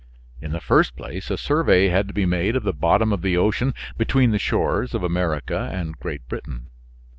In the first place a survey had to be made of the bottom of the ocean between the shores of America and Great Britain.